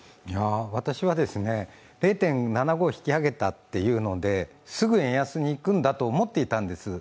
私は、０．７５引き上げたというのですぐ円安に行くんだと思っていたんです。